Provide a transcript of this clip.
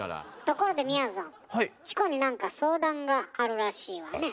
ところでみやぞんチコになんか相談があるらしいわね。